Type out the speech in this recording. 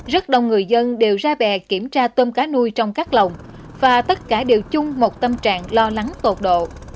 rất đông người dân đều ra bè kiểm tra tôm cá nuôi trong các lồng và tất cả đều chung một tâm trạng lo lắng tột độ